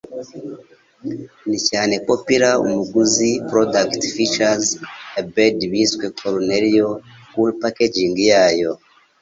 Ni cyane Popular umuguzi Product Features A Bird Biswe Koruneliyo Ku Packaging yayo?